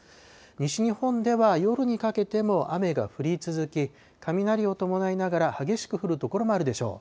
西日本では夜にかけても雨が降り続き、雷を伴いながら激しく降る所もあるでしょう。